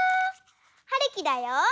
はるきだよ！